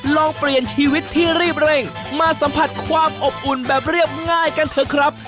ลองเปลี่ยนชีวิตที่รีบเร่งมาสัมผัสความอบอุ่นแบบเรียบง่ายกันเถอะครับ